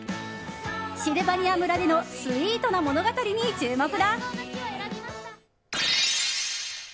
シルバニア村でのスイートな物語に注目だ。